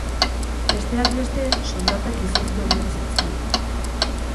Besteak beste, soldatak izoztu egingo zaizkie.